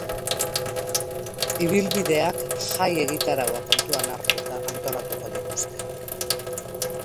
Ibilbideak jai egitaraua kontuan hartuta antolatuko dituzte.